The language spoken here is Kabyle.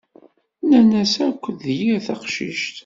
Nnan-as akk d yir taqcict.